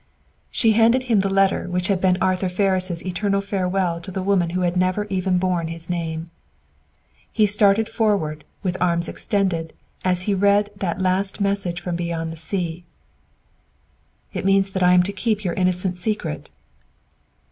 She handed him the letter which had been Arthur Ferris' eternal farewell to the woman who had never even borne his name. He started forward, with arms extended, as he read that last message from beyond the sea. "It means that I am to keep your innocent secret!"